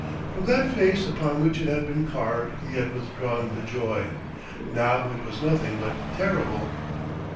From that face upon which it had been carved he had withdrawn the joy. Now it was nothing but terrible.